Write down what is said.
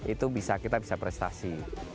itu kita bisa prestasi